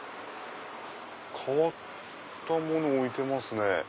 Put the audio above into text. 変わったもの置いてますね。